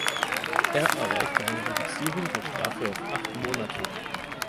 Er erreichte eine Reduzierung der Strafe auf acht Monate.